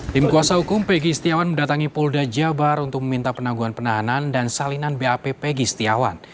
tim kuasa hukum pegi setiawan mendatangi polda jabar untuk meminta penangguhan penahanan dan salinan bap pegi setiawan